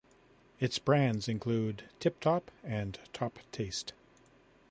Its brands include Tip Top and Top Taste.